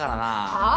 はあ？